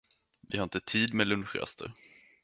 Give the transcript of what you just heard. Vi har inte tid med lunchraster.